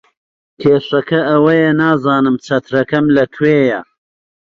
کێشەکە ئەوەیە نازانم چەترەکەم لەکوێیە.